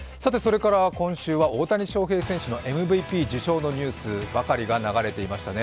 今週は大谷翔平選手のＭＶＰ受賞のニュースばかりが流れていましたね。